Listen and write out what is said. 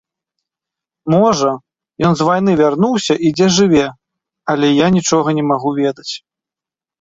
Можа, ён з вайны вярнуўся і дзе жыве, але я нічога не магу ведаць.